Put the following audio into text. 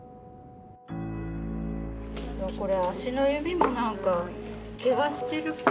これ足の指もなんかけがしてるっぽい。